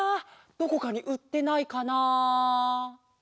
どこかにうってないかな？